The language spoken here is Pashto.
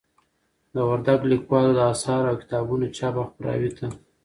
د وردگ ليكوالو د آثارو او كتابونو چاپ او خپراوي ته